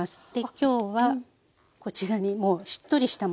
今日はこちらにもうしっとりしたものがありますので。